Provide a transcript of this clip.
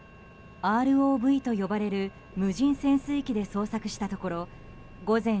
ＲＯＶと呼ばれる無人潜水機で捜索したところ午前１１